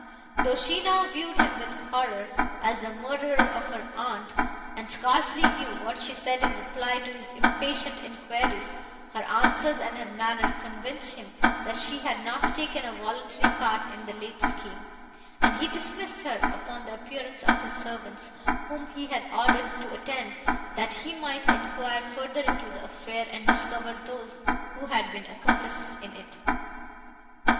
Though she now viewed him with horror, as the murderer of her aunt, and scarcely knew what she said in reply to his impatient enquiries, her answers and her manner convinced him, that she had not taken a voluntary part in the late scheme, and he dismissed her upon the appearance of his servants, whom he had ordered to attend, that he might enquire further into the affair, and discover those, who had been accomplices in it.